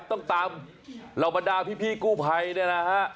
ต้องตามเหล่าบรรดาพี่กู้ภัยเนี่ยนะฮะ